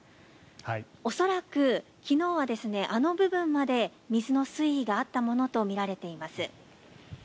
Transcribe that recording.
恐らく、昨日はあの部分まで水の水位があったものとみられています。